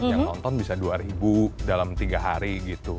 yang nonton bisa dua ribu dalam tiga hari gitu